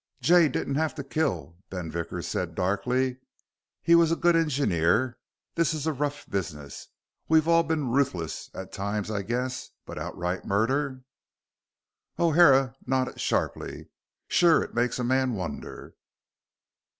"Jay didn't have to kill," Ben Vickers said darkly. "He was a good engineer. This is a rough business. We've all been ruthless at times, I guess. But outright murder...." O'Hara nodded sharply. "Sure, it makes a man wonder."